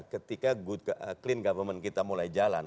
ketika clean government kita mulai jalan